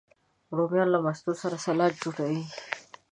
رومیان له ماستو سره سالاد جوړوي